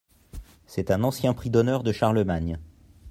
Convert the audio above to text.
C’est un ancien prix d’honneur de Charlemagne.